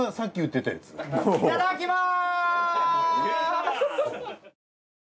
いただきます！！